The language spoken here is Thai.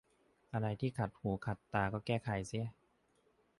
อะไรที่ขัดหูขัดตาก็แก้ไขเสีย